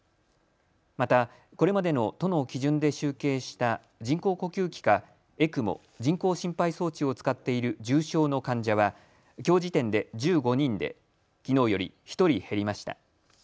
また、これまでの都の基準で集計した人工呼吸器かＥＣＭＯ・人工心肺装置を使っている重症の患者はきょう時点で１５人できのうより１人減りました。